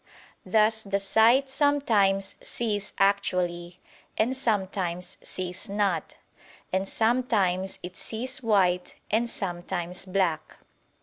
Thus the sight sometimes sees actually, and sometimes sees not: and sometimes it sees white, and sometimes black.